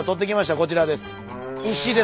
こちらです。